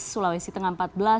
sulawesi tengah empat belas